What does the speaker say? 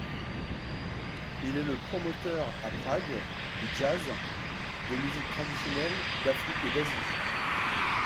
Il est le promoteur à Prague du jazz, de musiques traditionnelles d'Afrique et d'Asie.